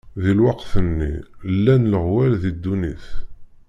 Di lweqt-nni, llan leɣwal di ddunit.